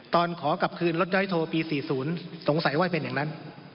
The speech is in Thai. ขอกลับคืนรถย้อยโทปี๔๐สงสัยว่าเป็นอย่างนั้น